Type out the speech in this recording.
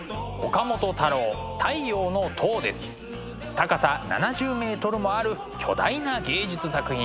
高さ７０ｍもある巨大な芸術作品です。